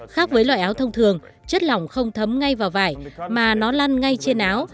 khác với loại áo thông thường chất lỏng không thấm ngay vào vải mà nó lăn ngay trên áo